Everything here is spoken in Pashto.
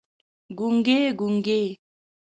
ګونګي، ګونګي